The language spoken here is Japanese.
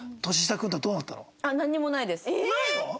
ないの！？